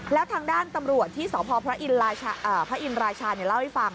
แล้วทางด้านตำรวจที่สพพระอินราชาเล่าให้ฟัง